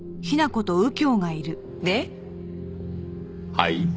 はい？